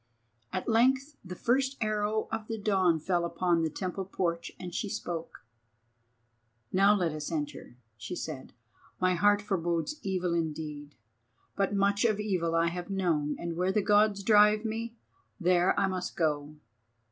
At length the first arrow of the dawn fell upon the temple porch and she spoke. "Now let us enter," she said; "my heart forebodes evil indeed; but much of evil I have known, and where the Gods drive me there I must go."